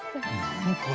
何これ。